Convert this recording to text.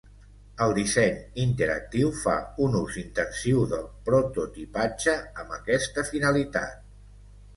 El disseny interactiu fa un ús intensiu del prototipatge amb aquesta finalitat.